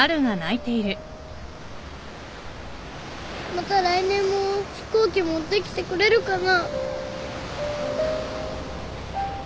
また来年も飛行機持ってきてくれるかな。